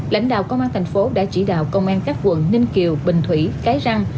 lãnh đạo công an thành phố đã chỉ đạo công an các quận ninh kiều bình thủy cái răng